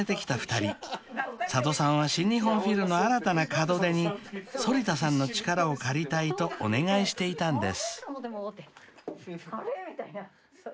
［佐渡さんは新日本フィルの新たな門出に反田さんの力を借りたいとお願いしていたんです］